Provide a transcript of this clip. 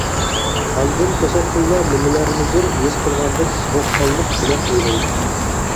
ئاندىن، توساتتىنلا نېمىلەرنىدۇر ھېس قىلغاندەك سوغۇققانلىق بىلەن ئويلايدۇ.